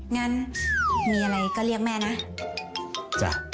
งั้นมีอะไรก็เรียกแม่นะจ้ะ